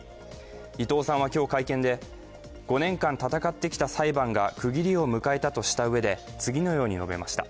伊藤さんは今日、会見で５年間闘ってきた裁判が区切りを迎えたとしたうえで次のように述べました。